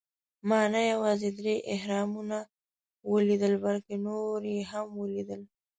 ما نه یوازې درې اهرامونه ولیدل، بلکې نور یې هم ولېدل.